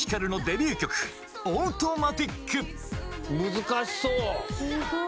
難しそう！